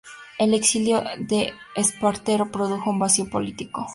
El exilio de Espartero produjo un vacío político.